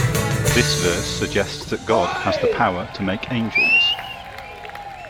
This verse suggests that God has the power to make angels.